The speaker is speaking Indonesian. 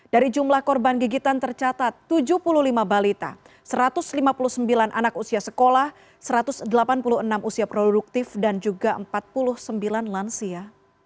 dari jumlah korban gigitan tercatat tujuh puluh lima balita satu ratus lima puluh sembilan anak usia sekolah satu ratus delapan puluh enam usia produktif dan juga empat puluh sembilan lansia